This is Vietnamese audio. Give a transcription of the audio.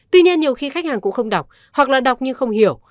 tuy nhiên nhiều khi khách hàng cũng không đọc hoặc là đọc nhưng không hiểu